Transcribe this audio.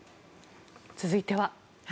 続いては。